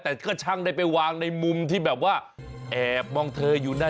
แต่ก็ช่างได้ไปวางในมุมที่แบบว่าแอบมองเธออยู่นั่น